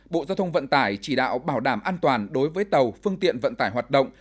bộ giao thông vận tải chỉ đạo bảo đảm an toàn đối với tàu phương tiện vận tải hoạt động